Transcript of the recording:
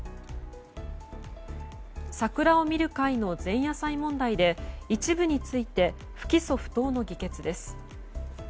桜を見る会の前夜祭問題で一部について不起訴不当の議決です。